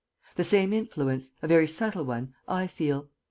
The same influence a very subtle one I feel.